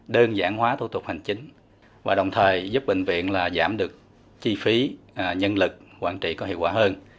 đơn giản hóa thủ tục hành chính và đồng thời giúp bệnh viện giảm được chi phí nhân lực quản trị có hiệu quả hơn